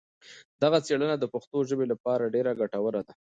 دغه څېړنه د پښتو ژبې لپاره ډېره ګټوره ده.